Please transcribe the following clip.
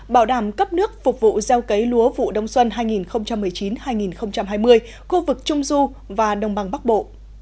bảo đảm cấp nước phục vụ gieo cấy lúa vụ đông xuân hai nghìn một mươi chín hai nghìn hai mươi khu vực trung du và đông bằng bắc bộ